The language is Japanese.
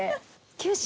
九州